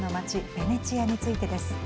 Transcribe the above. ベネチアについてです。